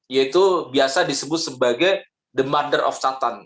yaitu biasa disebut sebagai the mother of satan